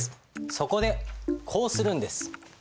そこでこうするんです。